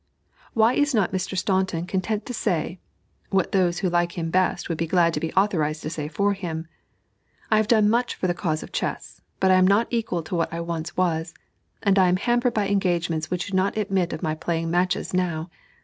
Why is not Mr. Staunton content to say (what those who like him best would be glad to be authorized to say for him): "I have done much for the cause of chess, but I am not equal to what I once was; and I am hampered by engagements which do not admit of my playing matches now.